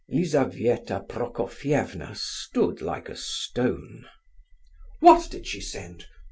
Lizabetha Prokofievna stood like a stone. "What did she send?